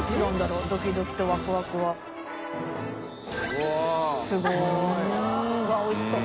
うわっおいしそう。